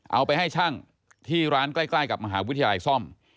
เอาไปให้ช่างที่ร้านใกล้กับมหาวิทยาลัยซ่อม